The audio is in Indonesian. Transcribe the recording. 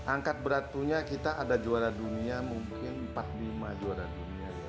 angkat berat punya kita ada juara dunia mungkin empat puluh lima juara dunia ya